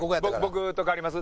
僕と代わります？